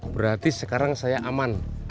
berarti sekarang saya aman